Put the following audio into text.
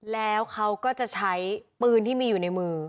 แล้วเขาก็จะใช้ปืนที่มีอยู่ในมือ